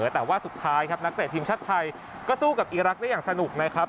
แต่ว่าสุดท้ายครับนักเตะทีมชาติไทยก็สู้กับอีรักษ์ได้อย่างสนุกนะครับ